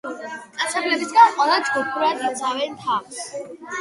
მტაცებლებისგან ყველა ჯგუფურად იცავენ თავს.